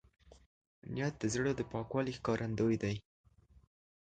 نیت د زړه د پاکوالي ښکارندوی دی.